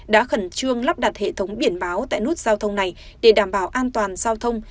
đã khẩn trương lắp đặt hệ thống biển báo tại nút giao thông này để đảm bảo an toàn giao thông